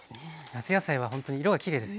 夏野菜はほんとに色がきれいですよね。